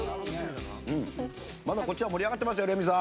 まだこっちは盛り上がってますよ、レミさん！